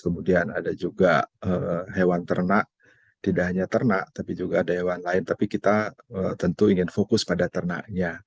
kemudian ada juga hewan ternak tidak hanya ternak tapi juga ada hewan lain tapi kita tentu ingin fokus pada ternaknya